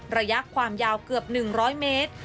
ระยะความยาวเกือบ๑๐๐เมตร